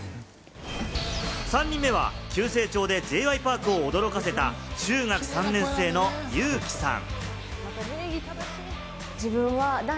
３人目は急成長でＪ．Ｙ．Ｐａｒｋを驚かせた、中学３年生のユウキさん。